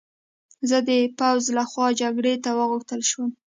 زه د پوځ له خوا جګړې ته وغوښتل شوم